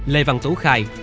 lê văn tú khai